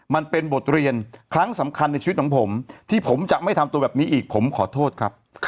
มันเป็นบทเรียนครั้งสำคัญในชีวิตของผมที่ผมจะไม่ทำตัวแบบนี้อีกผมขอโทษครับ